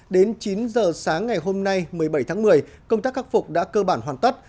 đến chín giờ sáng ngày hôm nay một mươi bảy tháng một mươi công tác khắc phục đã cơ bản hoàn tất